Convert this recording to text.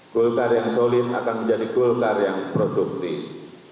bulgar yang solid akan menjadi bulgar yang produktif